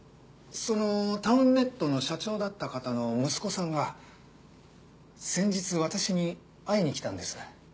そのタウンネットの社長だった方の息子さんが先日私に会いに来たんです。